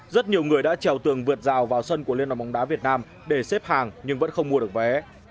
rất nhiều người đã trèo tường vượt rào vào sân của liên đoàn bóng đá việt nam để xếp hàng nhưng vẫn không mua được vé